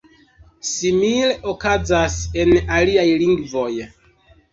Simile okazas en aliaj lingvoj.